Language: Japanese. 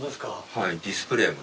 はいディスプレーも。